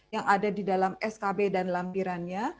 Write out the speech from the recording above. yang ada di dalam skb dan lampirannya